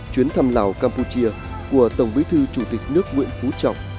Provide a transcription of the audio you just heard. chuyến thăm lào campuchia của tổng bí thư chủ tịch nước nguyễn phú trọng